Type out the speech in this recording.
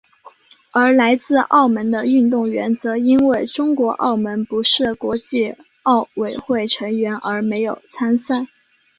而来自澳门的运动员则因为中国澳门不是国际奥委会成员而没有参赛。